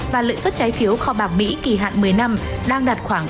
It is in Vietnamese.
và lợi xuất trái phiếu kho bạc mỹ kỳ hạn một mươi năm đang đạt khoảng ba bốn mươi bốn